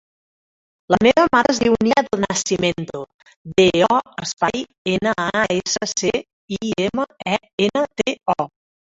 La meva mare es diu Nia Do Nascimento: de, o, espai, ena, a, essa, ce, i, ema, e, ena, te, o.